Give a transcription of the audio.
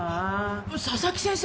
佐々木先生